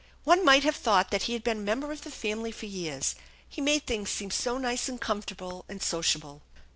One might have thought he had been a member of the family for years, he made things seem so nice and comfortable and sociable.